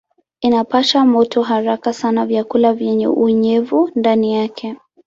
Inapasha moto haraka sana vyakula vyenye unyevu ndani yake.